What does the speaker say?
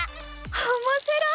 おもしろい！